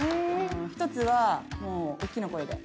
１つはもうおっきな声で。